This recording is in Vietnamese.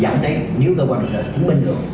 dặn đấy nếu cơ quan điều tra chứng minh được